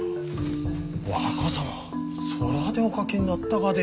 若様そらでお描きになったがで？